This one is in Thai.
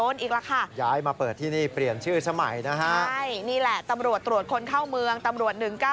ใช่นี่แหละตำรวจตรวจคนเข้าเมืองตำรวจ๑๙๑